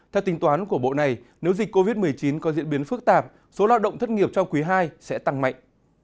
theo tính toán của bộ này nếu dịch covid một mươi chín có diễn biến phức tạp số lao động thất nghiệp trong quý ii sẽ tăng mạnh